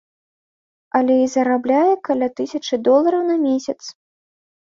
Але і зарабляе каля тысячы долараў на месяц.